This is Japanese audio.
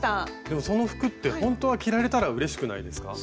でもその服ってほんとは着られたらうれしくないですか？